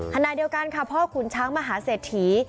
ขณะเดียวกันค่ะพ่อขุนช้างมหาเศรษฐี